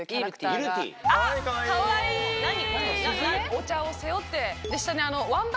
お茶を背負って。